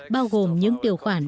bao gồm những điều khoản